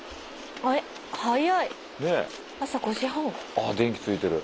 あ電気ついてる。